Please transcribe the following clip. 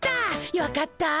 よかった。